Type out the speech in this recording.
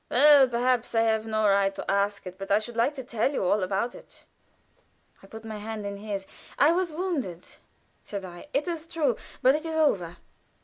Well, perhaps I have no right to ask it; but I should like to tell you all about it." I put my hand into his. "I was wounded," said I, "it is true. But it is over."